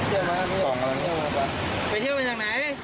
เหมือนเล่น